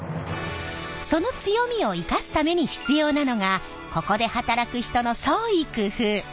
その強みを生かすために必要なのがここで働く人の創意工夫。